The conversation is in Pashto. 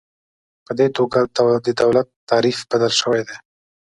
په دې توګه د دولت تعریف بدل شوی دی.